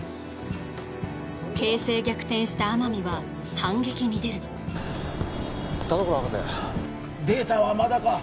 形勢逆転した天海は反撃に出る田所博士データはまだか？